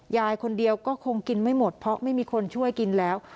ยายคนเดียวก็คงกินไม่หมดเพราะไม่มีคนช่วยกินแล้ว